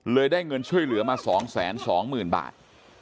ได้เงินช่วยเหลือมา๒๒๐๐๐บาท